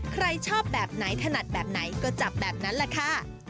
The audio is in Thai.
ใครชอบแบบไหนถนัดแบบไหนก็จับแบบนั้นแหละค่ะ